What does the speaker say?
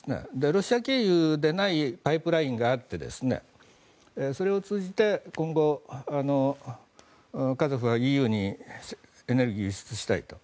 ロシア経由でないパイプラインがあってそれを通じて今後カザフはＥＵにエネルギーを輸出したいと。